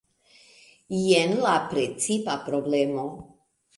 Jen la precipa problemo.